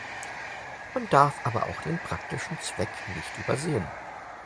Man darf aber auch den praktischen Zweck nicht übersehen.